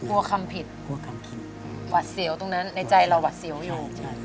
กลัวคำผิดกลัวหวัดเสียวตรงนั้นในใจเราหวัดเสียวอยู่